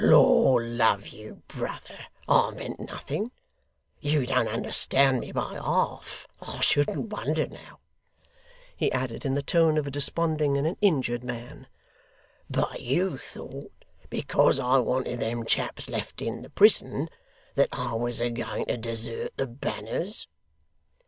'Lord love you, brother, I meant nothing. You don't understand me by half. I shouldn't wonder now,' he added, in the tone of a desponding and an injured man, 'but you thought, because I wanted them chaps left in the prison, that I was a going to desert the banners?